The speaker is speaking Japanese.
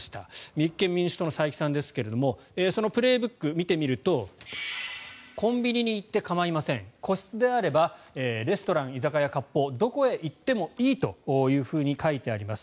立憲民主党の斉木さんですがその「プレーブック」を見てみるとコンビニに行って構いません個室であればレストラン、居酒屋、割烹どこへ行ってもいいというふうに書いてあります。